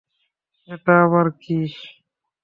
এটা আবার কি?